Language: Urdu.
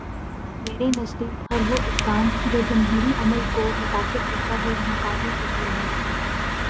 میرے نزدیک ہر وہ اقدام جو جمہوری عمل کو متاثر کرتا ہو، ناقابل قبول ہے۔